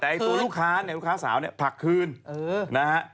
แต่ตัวลูกค้าเนี่ยลูกค้าสาวเนี่ยผลักคืนนะฮะ